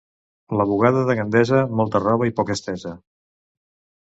La bugada de Gandesa, molta roba i poca estesa.